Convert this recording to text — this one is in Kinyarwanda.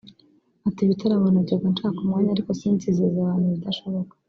Ati “Ibitaramo najya nshaka umwanya ariko sinzizeza abantu ibidashoboka